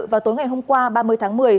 vào tối ngày hôm qua ba mươi tháng một mươi